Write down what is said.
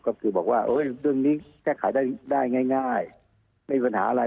ก็คือบอกว่าเรื่องนี้แก้ไขได้ง่ายไม่มีปัญหาอะไร